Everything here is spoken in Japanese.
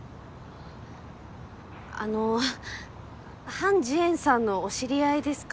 あのハン・ジエンさんのお知り合いですか？